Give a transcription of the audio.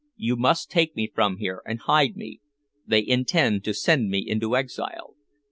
You must take me from here and hide me. They intend to send me into exile.